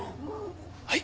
はい。